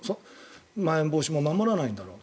まん延防止も守らないんだもん。